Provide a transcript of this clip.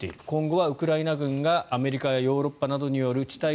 今後はウクライナ軍がアメリカやヨーロッパなどによる地